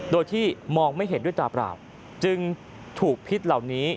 โดยที่มองไม่เห็นด้วยตาเปล่าจึงถูกพิษเหล่านี้